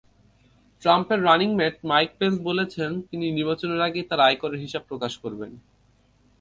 ট্রাম্পের running mate Mike Pence বলেছেন, তিনি নির্বাচনের আগেই তাঁর আয়করের হিসাব প্রকাশ করবেন।